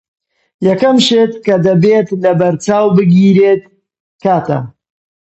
یەکەم شت کە دەبێت لەبەرچاو بگیرێت کاتە.